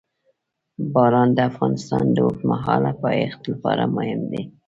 باران د افغانستان د اوږدمهاله پایښت لپاره مهم دی.